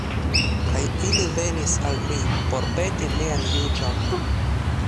Kaj ili venis al mi por peti mian juĝon.